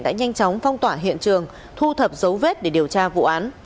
đã nhanh chóng phong tỏa hiện trường thu thập dấu vết để điều tra vụ án